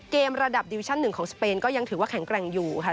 ระดับดิวิชั่น๑ของสเปนก็ยังถือว่าแข็งแกร่งอยู่ค่ะ